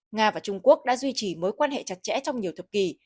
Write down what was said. nga và trung quốc đã duy trì mối quan hệ chặt chẽ trong nhiều thập kỷ